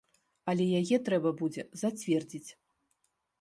Але яе трэба будзе зацвердзіць.